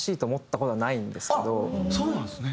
あっそうなんですね。